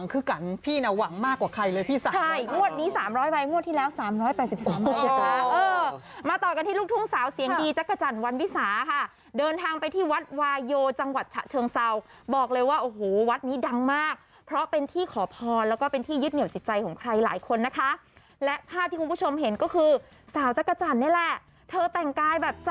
คุณผู้ชมได้ดูคลิปกันสักนิดนึงค่ะ